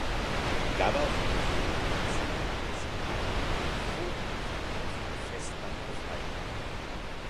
Gaba soll so zahlreiche Sklaven noch vor ihrem Verkauf am Festland befreit haben.